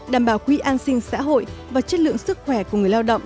đảm bảo quỹ an sinh xã hội và chất lượng sức khỏe của người lao động